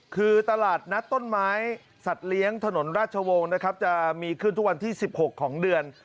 คือตลาดนัดต้นไม้สัตว์เลี้ยงถนนราชวงศ์นะครับจะมีขึ้นทุกวันที่๑๖ของเดือน